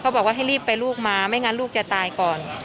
บอกว่าให้รีบไปลูกมาไม่งั้นลูกจะตายก่อน